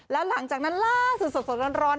แล้วหลังจากนั้นล่าสุดสดร้อน